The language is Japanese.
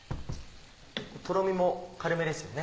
とろみも軽めですよね？